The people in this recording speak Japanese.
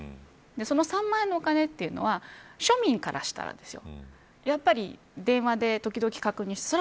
その３万円のお金というのは庶民からしたらやっぱり電話で時々確認する。